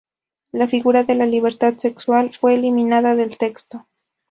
La figura de la "libertad sexual" fue eliminada del texto.